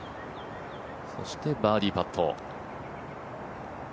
そしてバーディーパット。